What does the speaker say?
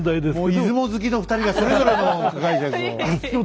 出雲好きの２人がそれぞれの解釈を。